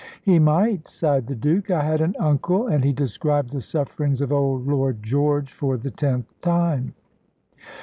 "He might," sighed the Duke. "I had an uncle " and he described the sufferings of old Lord George for the tenth time.